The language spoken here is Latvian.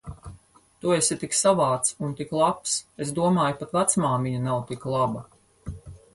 Tu esi tik savāds un tik labs. Es domāju, pat vecmāmiņa nav tik laba.